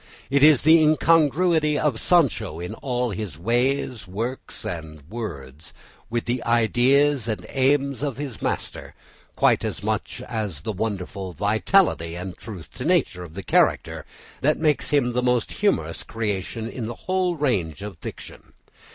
It is the incongruity of Sancho in all his ways, words, and works, with the ideas and aims of his master, quite as much as the wonderful vitality and truth to nature of the character, that makes him the most humorous creation in the whole range of fiction.